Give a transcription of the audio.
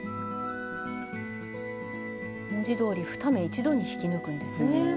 文字どおり２目一度に引き抜くんですね。